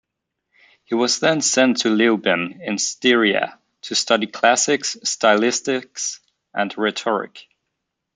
He was then sent to Leoben in Styria to study classics, stylistics, and rhetoric.